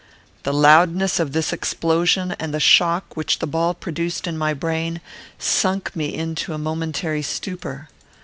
The loudness of this explosion, and the shock which the ball produced in my brain, sunk me into a momentary stupor.